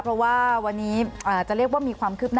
เพราะว่าวันนี้จะเรียกว่ามีความคืบหน้า